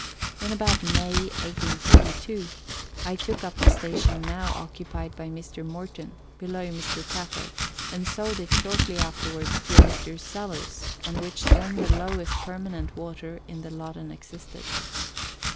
In about May 1842 I took up the station now occupied by Mr. Morton, below Mr. Catto, and sold it shortly afterwards to a Mr. Sellars, on which then the lowest permanent water in the Loddon existed.